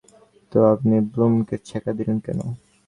তো, আপনি ব্লুম কে ছ্যাকা দিলেন কেন?